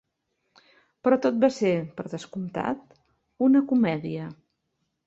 Però tot va ser, per descomptat, una comèdia.